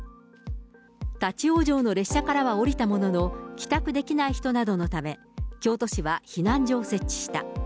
立往生の列車からは降りたものの、帰宅できない人などのため、京都市は避難所を設置した。